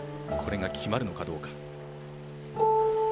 これが決まるのかどうか。